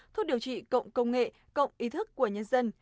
thuốc điều trị cộng công nghệ cộng ý thức của nhân dân